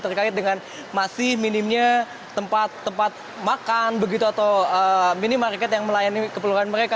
terkait dengan masih minimnya tempat tempat makan begitu atau minimarket yang melayani keperluan mereka